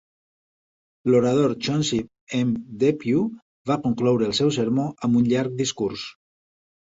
L'orador Chauncey M. Depew va concloure el seu sermó amb un llarg discurs.